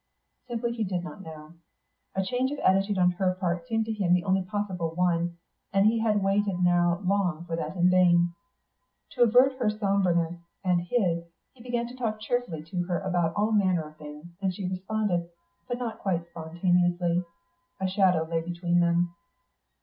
Simply he did not know. A change of attitude on her part seemed to him the only possible one, and he had waited now long for that in vain. To avert her sombreness and his, he began to talk cheerfully to her about all manner of things, and she responded, but not quite spontaneously. A shadow lay between them.